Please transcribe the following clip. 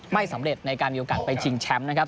ไม่สำเร็จในการมีโอกาสไปชิงแชมป์นะครับ